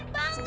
tidak saya mau